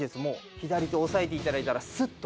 左手押さえて頂いたらスッと。